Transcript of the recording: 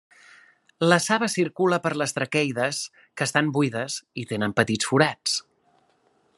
La saba circula per les traqueides, que estan buides i tenen petits forats.